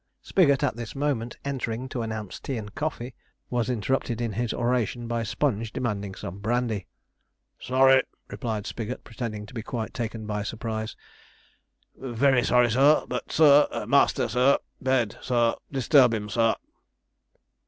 Spigot, at this moment entering to announce tea and coffee, was interrupted in his oration by Sponge demanding some brandy. 'Sorry,' replied Spigot, pretending to be quite taken by surprise, 'very sorry, sir but, sir master, sir bed, sir disturb him, sir.'